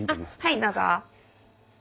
はいどうぞ。